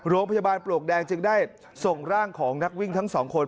โรงพยาบาลปลวกแดงจึงได้ส่งร่างของนักวิ่งทั้งสองคน